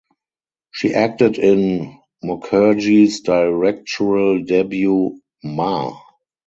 She acted in Mukherjee’s directorial debut "Maa".